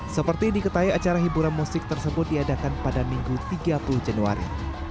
seperti diketahui acara hiburan musik tersebut diadakan pada minggu tiga puluh januari